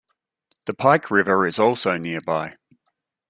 The Pike River is also nearby.